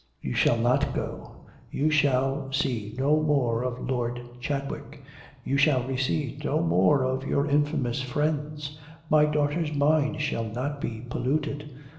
'You shall not go. You shall see no more of Lord Chadwick. You shall receive no more of your infamous friends. My daughter's mind shall not be polluted.'